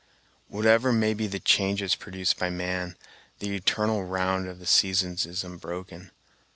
Whatever may be the changes produced by man, the eternal round of the seasons is unbroken.